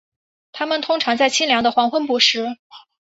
它们通常在清凉的黄昏捕食。